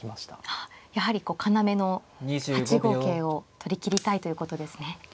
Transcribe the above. あっやはりこう要の８五桂を取りきりたいということですね。